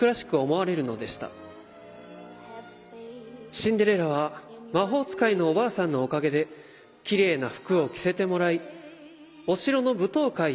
「シンデレラは魔法使いのおばあさんのおかげできれいな服を着せてもらいお城の舞踏会に行くことに。